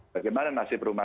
bagaimana nasib penggari kubur